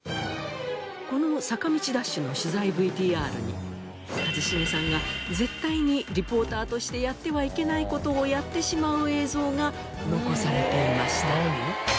この坂道ダッシュの取材ＶＴＲに一茂さんが絶対にリポーターとしてやってはいけない事をやってしまう映像が残されていました。